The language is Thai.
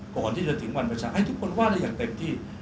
ก่อนที่จะถึงวันประชาให้ทุกคนว่าได้อย่างเต็มที่